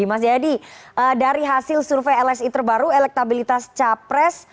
mas jayadi dari hasil survei lsi terbaru elektabilitas capres